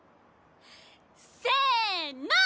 せの！